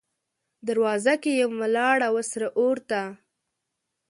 دروازه کې یم ولاړه، وه سره اور ته